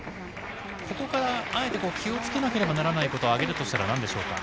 ここからあえて気を付けなければならないことを挙げるとしたら何でしょうか？